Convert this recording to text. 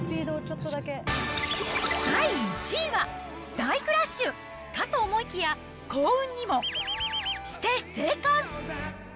第１位は、大クラッシュかと思いきや、幸運にも×××して生還。